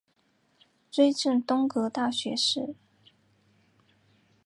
追赠东阁大学士。